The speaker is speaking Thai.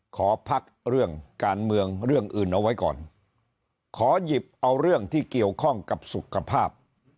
ขอพักเรื่องการเมืองเรื่องอื่นเอาไว้ก่อนขอหยิบเอาเรื่องที่เกี่ยวข้องกับสุขภาพ